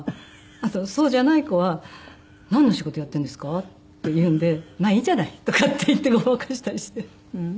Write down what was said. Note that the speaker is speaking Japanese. あとそうじゃない子は「なんの仕事やってるんですか？」って言うんで「まあいいじゃない」とかって言ってごまかしたりしてる。